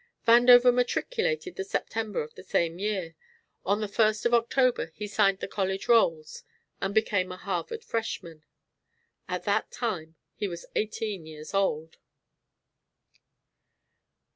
Vandover matriculated the September of the same year; on the first of October he signed the college rolls and became a Harvard freshman. At that time he was eighteen years old.